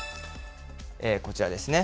こちらですね。